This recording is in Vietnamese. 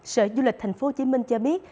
sở du lịch tp hcm cho biết